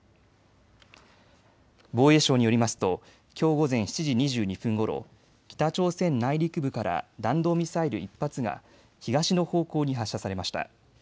防衛省によりますときょう午前７時２２分ごろ、北朝鮮内陸部から弾道ミサイル１発が東の方向に発射されました。